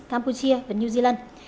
campuchia và new zealand